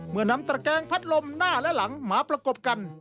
เมื่อนำตระแกงพัดลมหน้าและหลังหมาประกบกัน